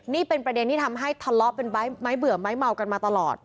นี่เป็นประเด็นที่ทำให้ทะเลาะเป็นไม้เบื่อไม้เมากันมาตลอด